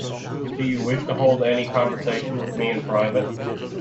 Do you wish to hold any conversation with me in private?